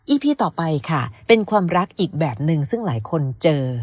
พีต่อไปค่ะเป็นความรักอีกแบบนึงซึ่งหลายคนเจอ